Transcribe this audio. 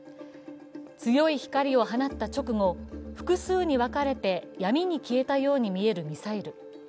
強い光を放った直後、複数に分かれて闇に消えたように見えるミサイル。